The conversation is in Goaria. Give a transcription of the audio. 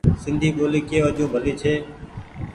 سندي ٻولي ڪي وجون ڀلي ڇي۔